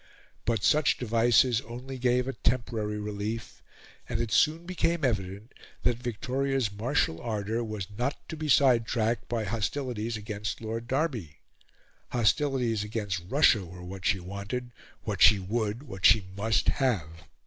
But such devices only gave a temporary relief; and it soon became evident that Victoria's martial ardour was not to be sidetracked by hostilities against Lord Derby; hostilities against Russia were what she wanted, what she would, what she must, have.